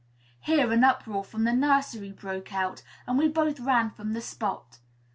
Here an uproar from the nursery broke out, and we both ran to the spot.